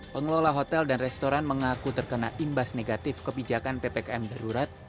pengelola hotel dan restoran mengaku terkena imbas negatif kebijakan ppkm darurat